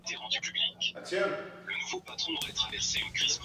ugonjwa huu Pia bakteria hao wanaweza kujipenyeza katika jeraha la kwato